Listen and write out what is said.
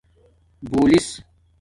بُولس